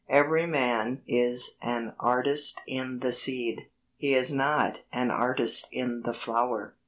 Every man is an artist in the seed: he is not an artist in the flower.